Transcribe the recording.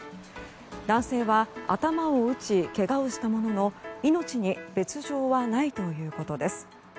男性は頭を打ちけがをしたものの命に別条はないということです。